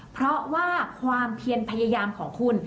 เพราะว่าความเพียรพยายามของคุณ